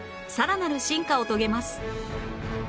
さらなる進化を遂げます